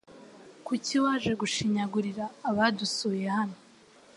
Kuki waje gushinyagurira abadusuye hano?